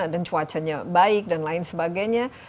cuacanya baik dan lain sebagainya